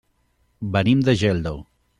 Venim de Geldo.